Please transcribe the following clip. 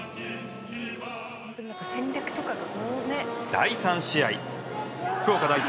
第３試合、福岡代表